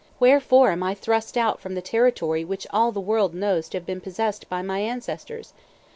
Wherefore am I thrust out from the territory which all the world knows to have been possessed by my ancestors?